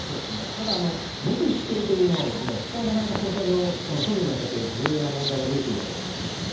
ただ、黙秘しているというのは、これはなかなか捜査上、処分に当たって、重要な問題が出てくるだろうと思いますね。